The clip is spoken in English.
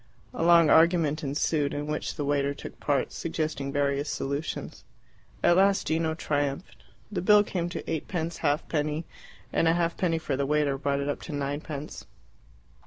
A long argument ensued, in which the waiter took part, suggesting various solutions. At last Gino triumphed. The bill came to eightpence halfpenny, and a halfpenny for the waiter brought it up to ninepence.